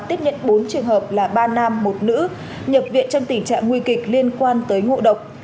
tiếp nhận bốn trường hợp là ba nam một nữ nhập viện trong tình trạng nguy kịch liên quan tới ngộ độc